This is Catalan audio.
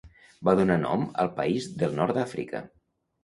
Va donar nom al país del nord d'Àfrica.